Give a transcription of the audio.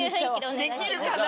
できるかな？